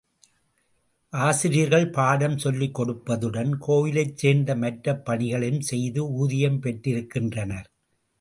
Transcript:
ஆசிரியர்கள் பாடம் சொல்லிக் கொடுப்பதுடன், கோயிலைச் சேர்ந்த மற்ற பணிகளையும் செய்து ஊதியம் பெற்றிருக்கின்றனர்.